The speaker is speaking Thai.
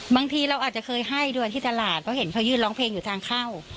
บางทีเราอาจจะเคยให้ด้วยที่ตลาดเพราะเห็นเขายืนร้องเพลงอยู่ทางเข้า